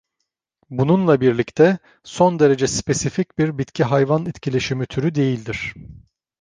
Bununla birlikte, son derece spesifik bir bitki-hayvan etkileşimi türü değildir.